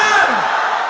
mandat dari rakyat